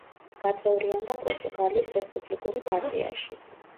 გაწევრიანდა პორტუგალიის რესპუბლიკური პარტიაში.